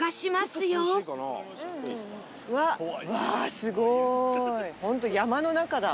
すごーい！